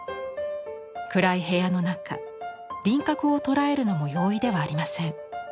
暗い部屋の中輪郭を捉えるのも容易ではありません。